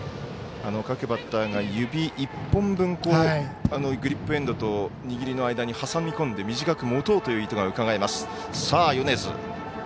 各バッターが指１本分グリップエンドと握りの間に挟みこんで短く持とうという意図がうかがえます。